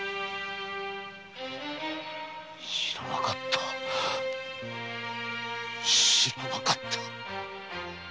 知らなかった知らなかった。